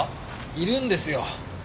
いるんですよ。